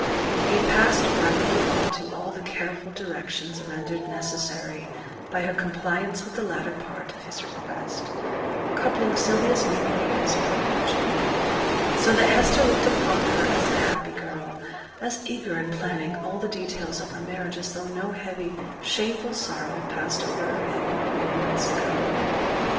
He passed rapidly on to all the careful directions rendered necessary by her compliance with the latter part of his request, coupling Sylvia's name with his perpetually; so that Hester looked upon her as a happy girl, as eager in planning all the details of her marriage as though no heavy shameful sorrow had passed over her head not many months ago.